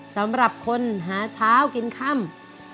สำหรับคนหาเช้ากินค่ำ